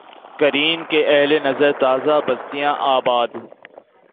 کریں گے اہل نظر تازہ بستیاں آباد